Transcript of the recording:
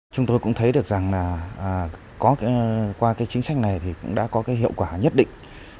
chúng tôi cũng thấy được rằng là qua cái chính sách này thì cũng đã có cái hiệu quả nhất định